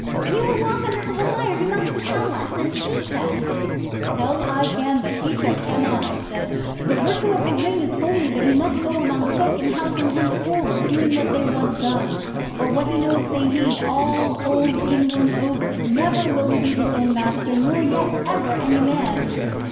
"You who walk under Cold Iron, you must tell us and teach us." '"Tell I can, but teach I cannot," I said. "The virtue of the Ring is only that he must go among folk in housen henceforward, doing what they want done, or what he knows they need, all Old England over. Never will he be his own master, nor yet ever any man's.